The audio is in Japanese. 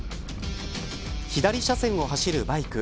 左車線を走るバイク。